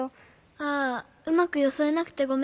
ああうまくよそえなくてごめんね。